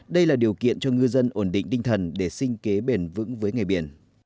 đây là điều kiện cho ngư dân ổn định tinh thần để sinh kế bền vững với nghề biển